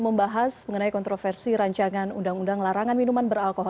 ya mudah mudahan insya allah